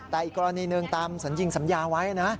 แต่อีกกรณีหนึ่งตามสัญญิงสัญญาไว้นะ